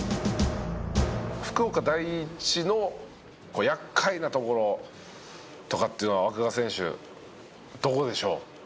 福岡第一の厄介なところとかっていうのは湧川選手どこでしょう？